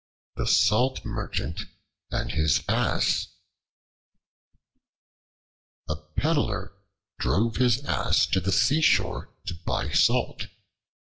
The Salt Merchant and His Ass A PEDDLER drove his Ass to the seashore to buy salt.